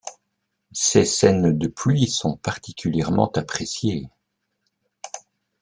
Ses scènes de pluie sont particulièrement appréciées.